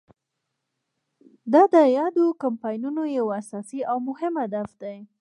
دا د یادو کمپاینونو یو اساسي او مهم هدف دی.